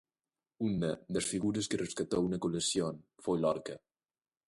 Unha das figuras que rescatou na colección foi Lorca.